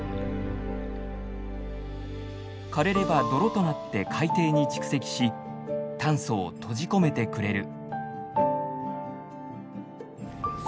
かれれば泥となって海底に蓄積し炭素を閉じ込めてくれる。